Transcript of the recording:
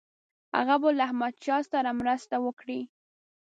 هغه به له احمدشاه سره مرسته وکړي.